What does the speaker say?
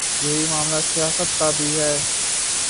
یہی معاملہ سیاست کا بھی ہے۔